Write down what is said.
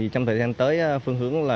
trong thời gian tới phương hướng là